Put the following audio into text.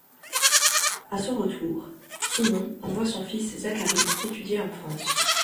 À son retour, Simon envoie son fils Zacharie étudier en France.